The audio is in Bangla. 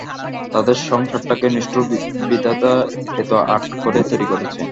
তাদের সংসারটাকে নিষ্ঠুর বিধাতা এত আঁট করেই তৈরি করেছে?